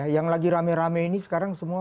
yang lagi rame rame ini sekarang semua